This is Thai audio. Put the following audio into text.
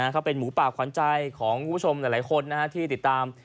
เขาเป็นหมูป่าขวัญใจของคุณผู้ชมหลายคนที่ติดตาม